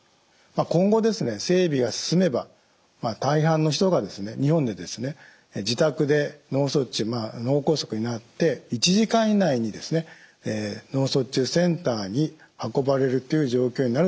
今後整備が進めば大半の人が日本でですね自宅で脳卒中脳梗塞になって１時間以内に脳卒中センターに運ばれるという状況になると期待してます。